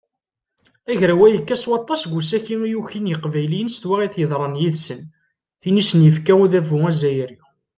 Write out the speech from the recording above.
Agraw-a yekka s waṭas deg usaki i yukin yiqbayliyen s twaɣit yeḍran yid-sen, tin i sen-yefka udabu azzayri.